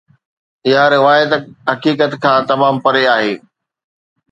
اها روايت حقيقت کان تمام پري آهي.